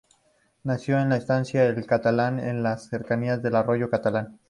Nació en la estancia "El Catalán" en las cercanías del arroyo Catalán.